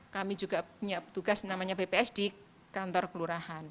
kami juga punya tugas namanya bps di kantor kelurahan